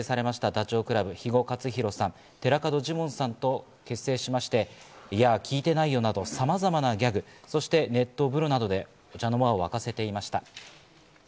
ダチョウ倶楽部、肥後克広さん、寺門ジモンさんと結成しまして、や！、聞いてないよ！など、様々なギャグ、そして熱湯風呂などでお茶の間を沸かせていました。